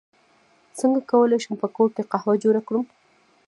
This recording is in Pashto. څنګه کولی شم په کور کې قهوه جوړه کړم